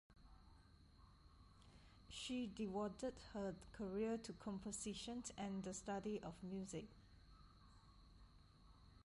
She devoted her career to composition and the study of music.